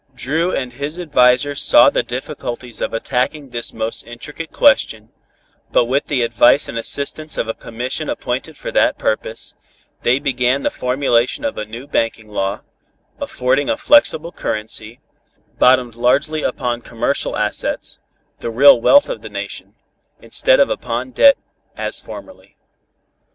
Dru and his advisers saw the difficulties of attacking this most intricate question, but with the advice and assistance of a commission appointed for that purpose, they began the formulation of a new banking law, affording a flexible currency, bottomed largely upon commercial assets, the real wealth of the nation, instead of upon debt, as formerly.